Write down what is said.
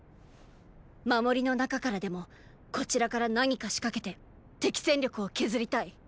守りの中からでもこちらから何か仕掛けて敵戦力を削りたい。